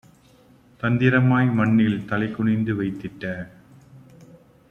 தந்திரமாய் மண்ணில் தலைகுனிந்து வைத்திட்ட